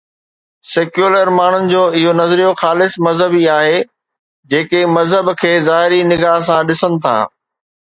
Secular ماڻهن جو اهو نظريو خالص مذهبي آهي، جيڪي مذهب کي ظاهري نگاه سان ڏسن ٿا.